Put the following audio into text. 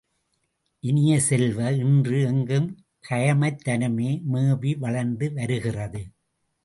இனிய செல்வ, இன்று எங்கும் கயமைத்தனமே மேவி வளர்ந்து வருகிறது.